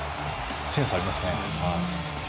センスありますね。